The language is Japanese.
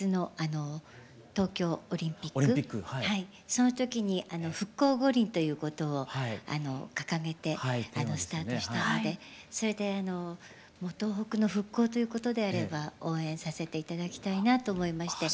その時に復興五輪ということを掲げてスタートしたのでそれでもう東北の復興ということであれば応援させて頂きたいなと思いまして。